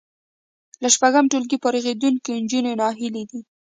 له شپږم ټولګي فارغېدونکې نجونې ناهیلې دي